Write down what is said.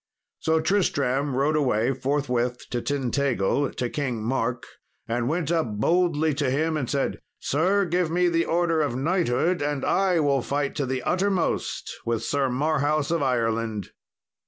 So Tristram rode away forthwith to Tintagil to King Mark, and went up boldly to him and said, "Sir, give me the order of knighthood and I will fight to the uttermost with Sir Marhaus of Ireland."